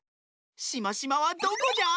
しましまはどこじゃ？